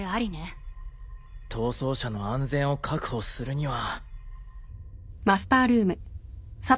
逃走者の安全を確保するには。